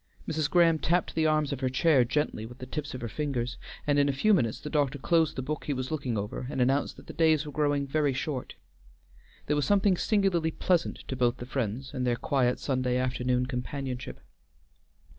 Mrs. Graham tapped the arms of her chair gently with the tips of her fingers, and in a few minutes the doctor closed the book he was looking over and announced that the days were growing very short. There was something singularly pleasant to both the friends in their quiet Sunday afternoon companionship.